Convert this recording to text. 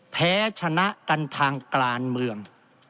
แพ้ชนะกันทางการเมือง